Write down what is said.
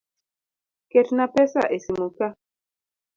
Ketna pesa e simu ka.